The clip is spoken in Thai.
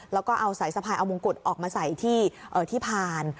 แล้วก็เอาสายสะพายเอามงกุฎออกมาใส่ที่ผ่าน